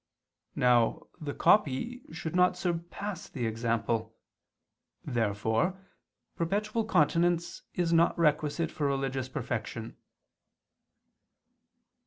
Now the copy should not surpass the example. Therefore perpetual continence is not requisite for religious perfection.